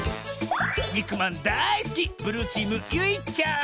にくまんだいすきブルーチームゆいちゃん。